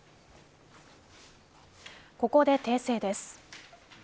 ここで訂正です。